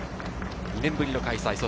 ２年ぶりの開催。